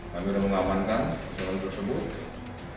kami mengamankan seluruh tersebut